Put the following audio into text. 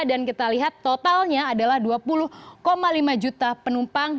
dan kita lihat totalnya adalah dua puluh lima juta penumpang